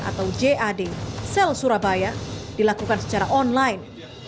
atau jad sel surabaya dilakukan secara online